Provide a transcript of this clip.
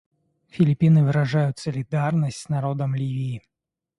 Филиппины выражают солидарность с народом Ливии.